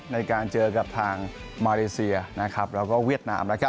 ในการเจอกับทางมาเลเซียแล้วก็เวียดนาม